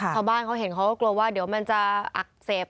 ชาวบ้านเขาเห็นเขาก็กลัวว่าเดี๋ยวมันจะอักเสบ